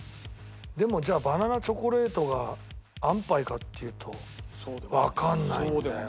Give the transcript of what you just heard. でもじゃあバナナチョコレートが安パイかっていうとわかんないんだよ。